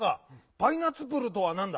「パイナツプル」とはなんだ？